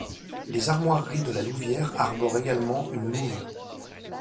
Les armoiries de La Louvière arborent également une louve.